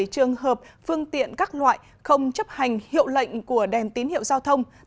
một trăm linh bảy trường hợp phương tiện các loại không chấp hành hiệu lệnh của đèn tín hiệu giao thông